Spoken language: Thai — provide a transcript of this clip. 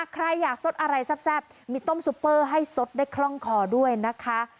ใครอยากสดอะไรแซ่บมีต้มซุปเปอร์ให้สดได้คล่องคอด้วยนะคะ